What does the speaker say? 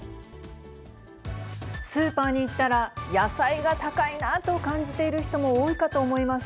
スーパーに行ったら、野菜が高いなと感じている人も多いかと思います。